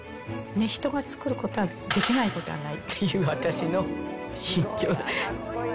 人が作ることはできないことはないっていう、私の信条で。